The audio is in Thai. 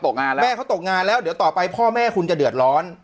งานแล้วแม่เขาตกงานแล้วเดี๋ยวต่อไปพ่อแม่คุณจะเดือดร้อน